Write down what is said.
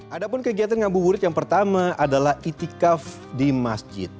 ada pun kegiatan ngabuburit yang pertama adalah itikaf di masjid